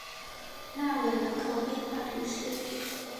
纳韦人口变化图示